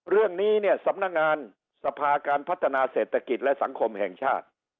เรื่องนี้เนี่ยสำนักงานสภาการพัฒนาเศรษฐกิจและสังคมแห่งชาติ